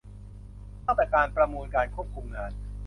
ตั้งแต่การประมูล การควบคุมงาน